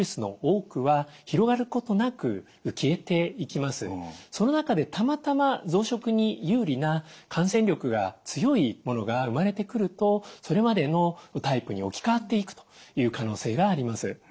ただしその中でたまたま増殖に有利な感染力が強いものが生まれてくるとそれまでのタイプに置き換わっていくという可能性があります。